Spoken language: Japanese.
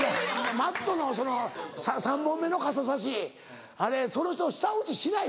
Ｍａｔｔのその３本目の傘差しあれその人舌打ちしない？